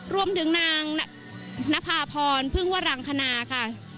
รวมถึงนางนภาพรพึ่งวรังคณาค่ะ